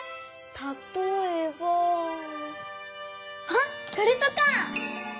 たとえばあっこれとか！